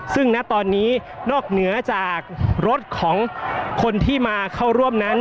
ซึ่งณตอนนี้นอกเหนือจากรถของคนที่มาเข้าร่วมนั้น